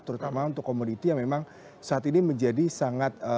terutama untuk komoditi yang memang saat ini menjadi sangat